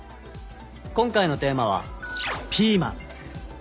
今回のテーマは「ピーマン」。